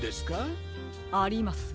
あります。